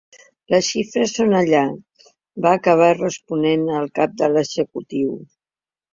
Les xifres són allà, va acabar responent el cap de l’executiu.